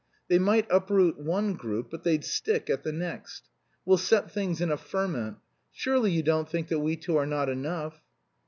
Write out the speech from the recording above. They might uproot one group but they'd stick at the next. We'll set things in a ferment.... Surely you don't think that we two are not enough?"